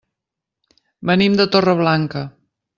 Venim de Torreblanca.